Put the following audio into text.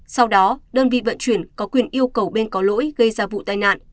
sau đó đơn vị vận chuyển có quyền yêu cầu bên có lỗi gây ra vụ tai nạn